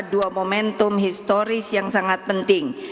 dua momentum historis yang sangat penting